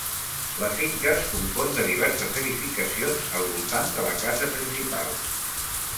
La finca es compon de diverses edificacions al voltant de la casa principal.